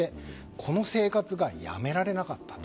この生活がやめられなかったと。